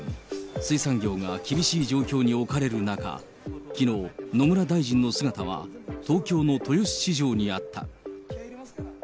水産業が厳しい状況に置かれる中、きのう、野村大臣の姿は東京の豊洲市場にあった。